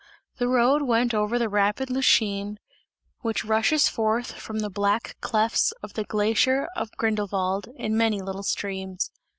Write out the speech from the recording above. The road went over the rapid Lütschine, which rushes forth from the black clefts of the glacier of Grindelwald, in many little streams.